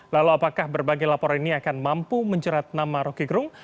lalu apakah berbagai laporan ini akan mampu menjerat nama roky gerung